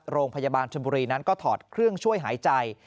โรงพยาบาลชนบุรีนั้นก็ถอดเครื่องช่วยหายใจ